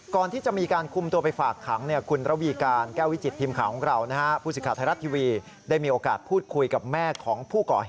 ก่อนที่จะมีการคุมตัวไปฝากขัง